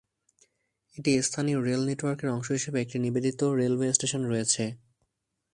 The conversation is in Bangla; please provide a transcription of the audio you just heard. এটি স্থানীয় রেল নেটওয়ার্কের অংশ হিসাবে একটি নিবেদিত রেলওয়ে স্টেশন রয়েছে।